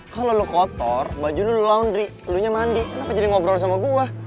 kalau lo kotor baju lo laundry elonya mandi kenapa jadi ngobrol sama gue